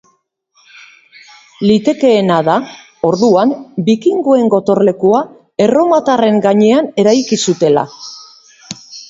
Litekeena da, orduan, bikingoen gotorlekua erromatarren gainean eraiki zutela.